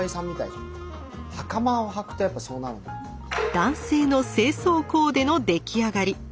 男性の正装コーデの出来上がり。